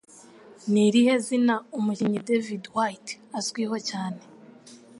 Ni irihe zina Umukinnyi David White Azwiho cyane?